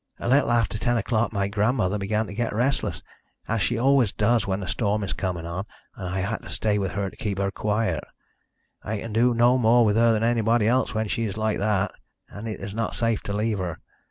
"A little after ten o'clock my grandmother began to get restless, as she always does when a storm is coming on, and I had to stay with her to keep her quiet. I can do more with her than anybody else when she is like that, and it is not safe to leave her.